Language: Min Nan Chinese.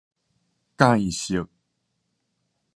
間色